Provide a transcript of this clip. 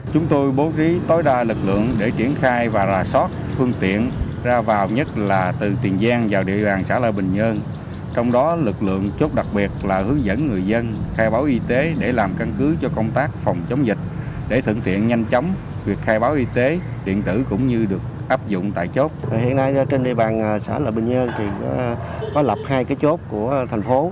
hiện nay trên địa bàn xã lợi bình nhơn có lập hai chốt của thành phố